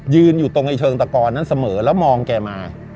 ยืนอยู่ตรงไอ้เชิงตะกอนนั้นเสมอแล้วมองแกมา